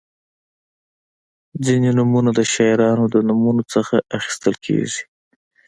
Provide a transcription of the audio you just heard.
• ځینې نومونه د شاعرانو د نومونو نه اخیستل کیږي.